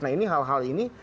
nah ini hal hal ini